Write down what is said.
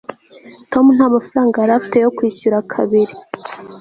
tom nta mafaranga yari afite yo kwishyura kabari